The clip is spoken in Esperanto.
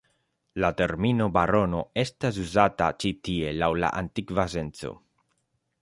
La termino barono estas uzata ĉi-tie laŭ la antikva senco.